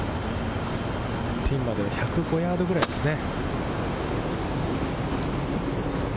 ピンまで１０５ヤードぐらいですね。